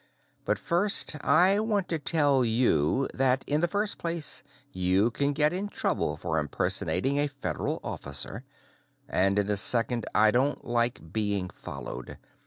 "But first, I want to tell you that, in the first place, you can get in trouble for impersonating a Federal officer, and, in the second, I don't like being followed.